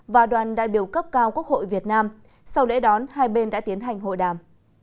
và đoàn đại biểu cấp cao quốc hội việt nam sau lễ đón hai bên đã tiến hành hội đàm